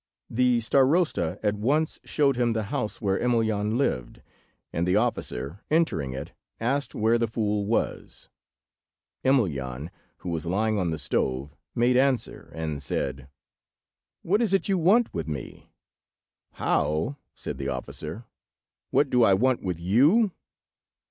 The Starosta at once showed him the house where Emelyan lived, and the officer, entering it, asked where the fool was. Emelyan, who was lying on the stove, made answer and said— "What is it you want with me?" "How!" said the officer. "What do I want with you?